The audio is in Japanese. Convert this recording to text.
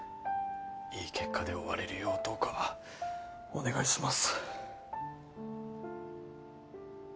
いい結果で終われるようどうかお願いします